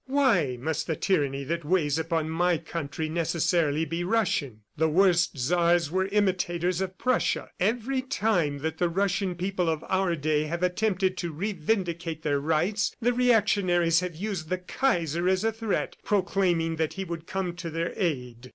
"Why must the tyranny that weighs upon my country necessarily be Russian? The worst Czars were imitators of Prussia. Every time that the Russian people of our day have attempted to revindicate their rights, the reactionaries have used the Kaiser as a threat, proclaiming that he would come to their aid.